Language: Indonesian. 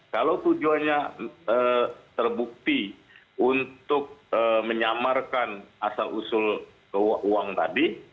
kalau tujuannya terbukti untuk menyamarkan asal usul uang tadi